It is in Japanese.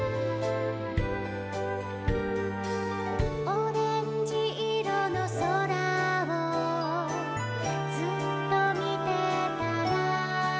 「オレンジいろのそらをずっとみてたら」